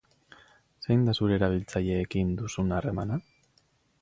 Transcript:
Zein da zure erabiltzaileekin duzun harremana?